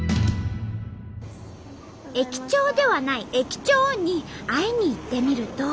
駅長ではない駅長に会いに行ってみると。